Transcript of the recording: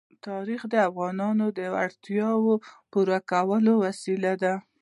تاریخ د افغانانو د اړتیاوو د پوره کولو وسیله ده.